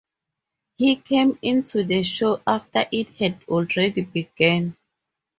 He came into the show after it had already begun.